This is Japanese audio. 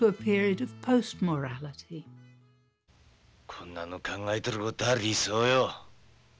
こんなの考えてることは理想よ。